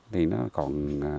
thì nó còn